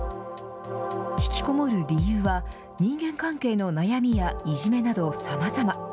引きこもる理由は、人間関係の悩みやいじめなど、さまざま。